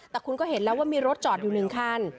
แต่คุณก็เห็นแล้วว่ามีรถจอดอยู่๑คัน